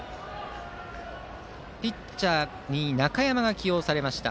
ピッチャーに中山が起用されました。